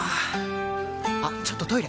あっちょっとトイレ！